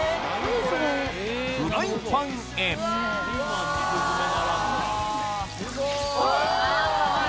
フライパンへおぉ！